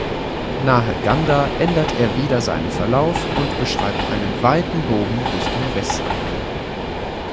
Nahe Ganda ändert er wieder seinen Verlauf und beschreibt einen weiten Bogen Richtung Westen.